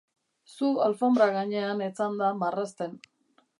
Zu alfonbra gainean etzanda marrazten.